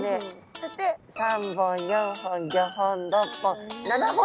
そして３本４本５本６本７本とあります。